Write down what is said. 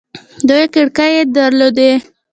دوې کړکۍ يې در لودې.